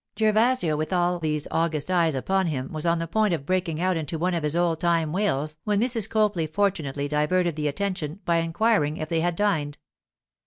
Gervasio, with all these august eyes upon him, was on the point of breaking out into one of his old time wails when Mrs. Copley fortunately diverted the attention by inquiring if they had dined.